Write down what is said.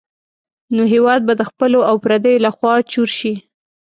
نو هېواد به د خپلو او پردیو لخوا چور شي.